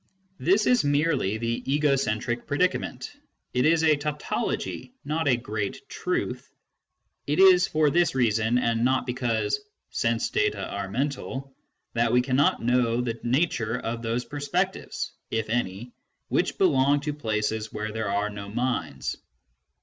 This is merely the " egocentric predicament "; it is a tautology, not a "great truth." It is for this reason, and not because "sense data are mental," that we can not know the nature of those perspectives (if any) which belong to places where there are no minds.